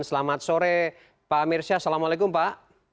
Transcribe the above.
selamat sore pak amir syah assalamualaikum pak